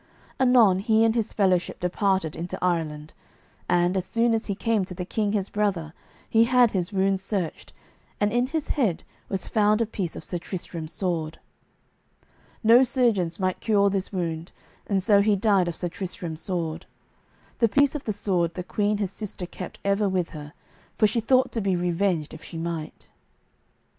Anon he and his fellowship departed into Ireland, and, as soon as he came to the king his brother, he had his wounds searched, and in his head was found a piece of Sir Tristram's sword. No surgeons might cure this wound, and so he died of Sir Tristram's sword. That piece of the sword the queen his sister kept ever with her, for she thought to be revenged, if she might.